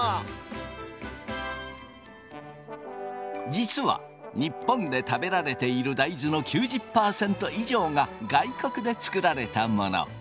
実は日本で食べられている大豆の９０％以上が外国で作られたもの。